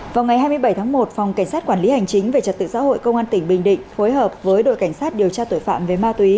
vào ngày hai mươi bảy tháng một phòng cảnh sát quản lý hành chính về trật tự xã hội công an tỉnh bình định phối hợp với đội cảnh sát điều tra tội phạm về ma túy